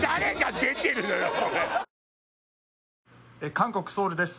韓国ソウルです。